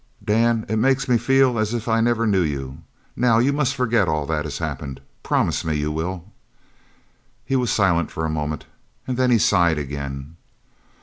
"Dan, it makes me feel as if I never knew you! Now you must forget all that has happened. Promise me you will!" He was silent for a moment and then he sighed again.